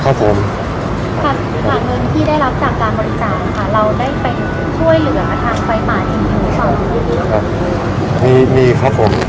ครับหลังจากเงินที่ได้รับจากการบริจารณ์ค่ะ